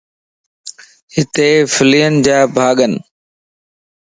ھتي ڦلين جا ڀاڳن